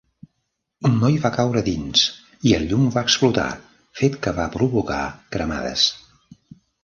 Un noi va caure dins i el llum va explotar, fet que va provocar cremades.